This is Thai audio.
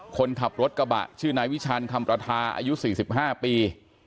คนขับรถกระบะชื่อนายวิชันคำประทาอายุ๔๕ปี